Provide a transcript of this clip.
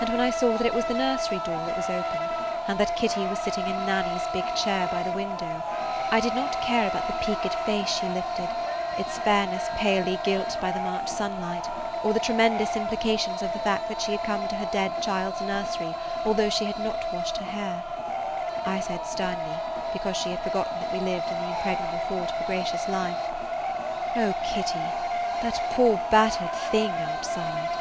And when I saw that it was the nursery door that was open, and that Kitty was sitting in Nanny's big chair by the window, I did not care about the peaked face she lifted, its fairness palely gilt by the March sunlight, or the tremendous implications of the fact that [Page 116] she had come to her dead child's nursery although she had not washed her hair. I said sternly, because she had forgotten that we lived in the impregnable fort of a gracious life: "O Kitty, that poor battered thing outside!"